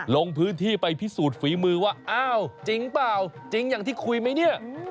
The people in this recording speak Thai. ลงพื้นที่ไปพิสูจน์ฝีมือว่าอ้าวจริงเปล่าจริงอย่างที่คุยไหมเนี่ย